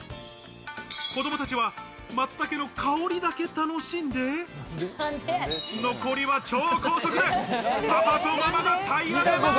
子供たちは松茸の香りだけ楽しんで、残りは超高速でパパとママがたいらげます。